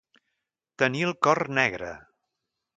Tenir el cor negre.